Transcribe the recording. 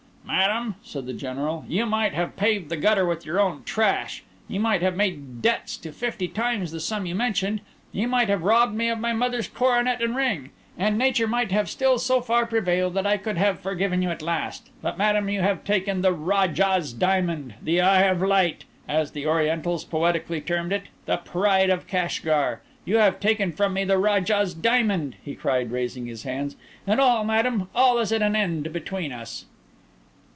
"Madam," said the General, "you might have paved the gutter with your own trash; you might have made debts to fifty times the sum you mention; you might have robbed me of my mother's coronet and ring; and Nature might have still so far prevailed that I could have forgiven you at last. But, madam, you have taken the Rajah's Diamond—the Eye of Light, as the Orientals poetically termed it—the Pride of Kashgar! You have taken from me the Rajah's Diamond," he cried, raising his hands, "and all, madam, all is at an end between us!"